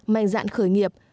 mành dạng khởi nghiệp